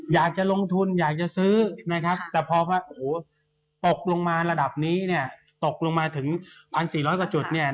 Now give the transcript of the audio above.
อยากจะลงทุนอยากจะซื้อแต่พอตกลงมาระดับนี้ตกลงมาถึง๑๔๐๐กว่าจุด